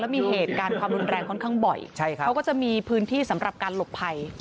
มีเหตุการณ์ความรุนแรงค่อนข้างบ่อยเขาก็จะมีพื้นที่สำหรับการหลบภัย